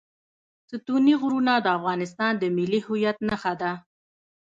ستوني غرونه د افغانستان د ملي هویت نښه ده.